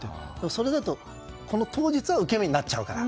それだと、この当日は受け身になっちゃうから。